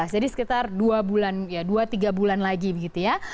jadi sekitar dua tiga bulan lagi gitu ya